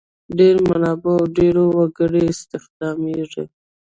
ډېر منابع او ډېر وګړي استخدامیږي.